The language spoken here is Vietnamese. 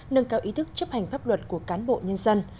nâng cao ý thức chấp hành pháp luật của cán bộ nhân dân